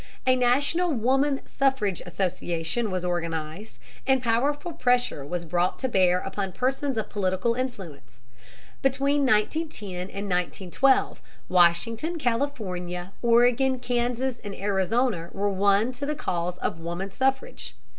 A national Woman Suffrage Association was organized, and powerful pressure was brought to bear upon persons of political influence. Between 1910 and 1912 Washington, California, Oregon, Kansas, and Arizona were won to the cause of woman suffrage.